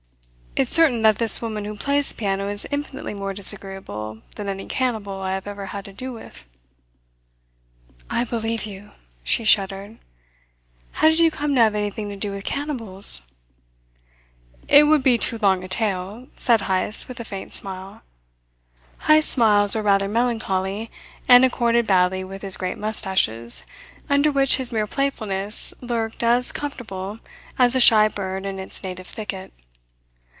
"It's certain that this woman who plays the piano is infinitely more disagreeable than any cannibal I have ever had to do with." "I believe you!" She shuddered. "How did you come to have anything to do with cannibals?" "It would be too long a tale," said Heyst with a faint smile. Heyst's smiles were rather melancholy, and accorded badly with his great moustaches, under which his mere playfulness lurked as comfortable as a shy bird in its native thicket.